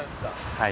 はい。